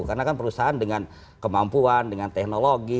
karena kan perusahaan dengan kemampuan dengan teknologi